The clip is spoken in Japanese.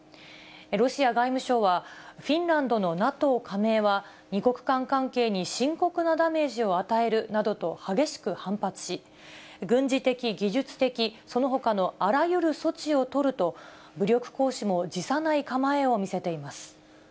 ロシア外務省は、フィンランドのＮＡＴＯ加盟は、２国間関係に深刻なダメージを与えるなどと激しく反発し、軍事的、技術的、そのほかのあらゆる措置を取ると、武力行使も辞さない構えを見せています。